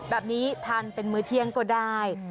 แบบนี้ทานเป็นมื้อเที่ยงก็ได้